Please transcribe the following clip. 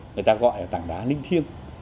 người ta gọi là tảng đá linh thiên